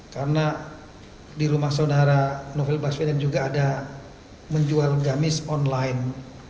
karena di rumah saudara novel baswedan juga ada menjual gamis online